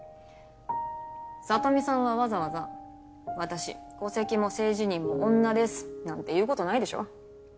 サトミさんはわざわざ「私戸籍も性自認も女です」なんて言うことないでしょ？